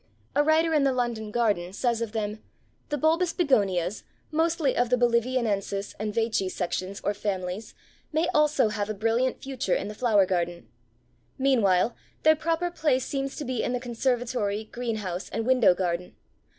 A writer in the London Garden says of them: "The bulbous Begonias, mostly of the Boliviniensis and Veitchi sections or families, may have also a brilliant future in the flower garden. Meanwhile, their proper place seems to be in the conservatory, greenhouse and window garden.